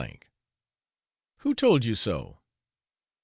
K .' 'Who told you so?'